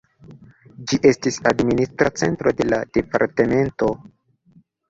Ĝi estis administra centro de la departemento.